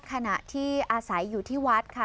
ขณะที่อาศัยอยู่ที่วัดค่ะ